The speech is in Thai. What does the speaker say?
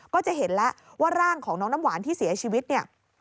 ก็จะเห็นแล้วว่าร่างของน้องน้ำหวานที่เสียชีวิตเนี่ย